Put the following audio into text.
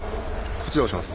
こっちどうします？